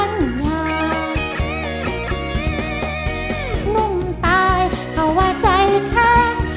วันนี้ใจกลอม